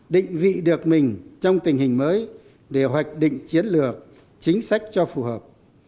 định vị được mình trong tình hình mới để hoạch định chiến lược chính sách cho phù hợp